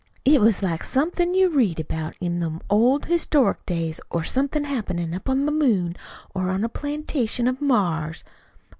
It was like somethin' you read about in them old histronic days, or somethin' happenin' up on the moon, or on that plantation of Mars.